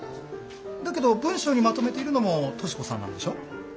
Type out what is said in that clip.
だけど文章にまとめているのも敏子さんなんでしょ？